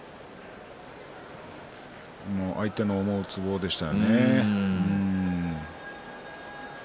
相手の思うつぼでしたね。